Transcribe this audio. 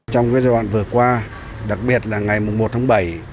trong giai đoạn vừa qua đặc biệt là ngày một tháng bảy hai nghìn một mươi tám